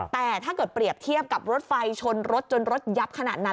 แต่ถ้าเกิดเปรียบเทียบกับรถไฟชนรถจนรถยับขนาดนั้น